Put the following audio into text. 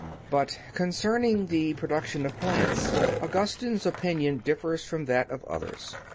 But concerning the production of plants, Augustine's opinion differs from that of others.